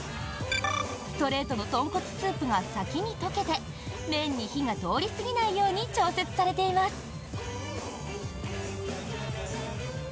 ストレートの豚骨スープが先に溶けて麺に火が通りすぎないように調節されています。